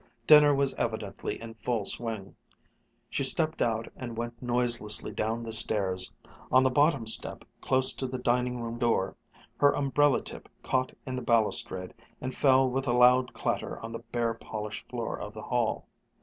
Dinner was evidently in full swing. She stepped out and went noiselessly down the stairs. On the bottom step, close to the dining room door, her umbrella tip caught in the balustrade and fell with a loud clatter on the bare polished floor of the hall.